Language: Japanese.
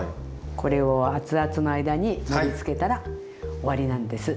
これをあつあつの間に盛りつけたら終わりなんです。